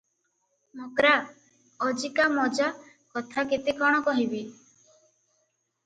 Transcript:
ମକ୍ରା! ଅଜିକା ମଜା କଥା କେତେ କ’ଣ କହିବି?